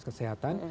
yang harus kesehatan